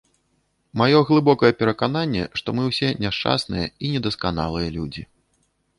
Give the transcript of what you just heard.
Маё глыбокае перакананне, што мы ўсе няшчасныя і недасканалыя людзі.